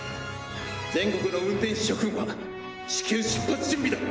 全国の運転士諸君は至急出発準備だ！